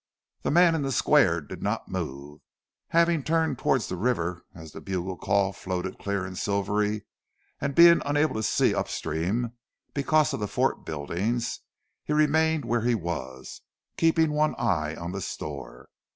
The man in the Square did not move. Having turned towards the river as the bugle call floated clear and silvery, and being unable to see upstream because of the fort buildings, he remained where he was, keeping one eye on the store.